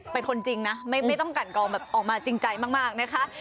เป็นคนจริงนะไม่ต้องกันกองแบบออกมาจริงใจมากนะคะ